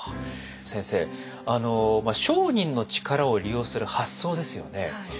先生商人の力を利用する発想ですよね。